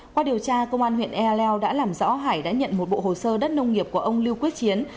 qua điều tra công an huyện ea leo đã làm rõ hải đã nhận một bộ hồ sơ đất nông nghiệp của ông lưu quyết chiến